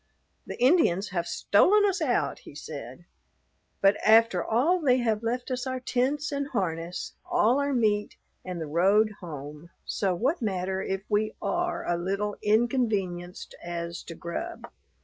"The Indians have stolen us out," he said, "but after all they have left us our tents and harness, all our meat, and the road home; so what matter if we are a little inconvenienced as to grub?